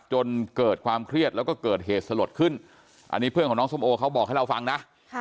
จนเกิดความเครียดแล้วก็เกิดเหตุสลดขึ้นอันนี้เพื่อนของน้องส้มโอเขาบอกให้เราฟังนะ